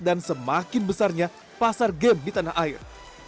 dan semakin besarnya pasar game di tanah air